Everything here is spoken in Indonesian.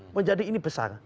menjadi ini berbicara